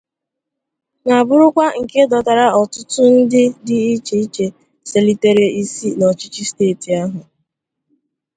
ma bụrụkwa nke dọtara ọtụtụ ndị dị iche iche selitere isi n'ọchịchị steeti ahụ